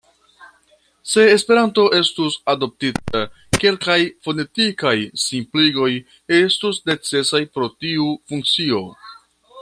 Se Esperanto estus adoptita, kelkaj fonetikaj simpligoj estus necesaj por tiu funkcio.